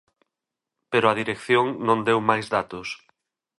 Pero a Dirección non deu máis datos.